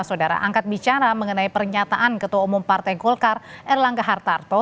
saudara angkat bicara mengenai pernyataan ketua umum partai golkar erlangga hartarto